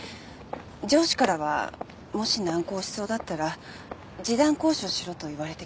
上司からはもし難航しそうだったら示談交渉しろと言われてきました。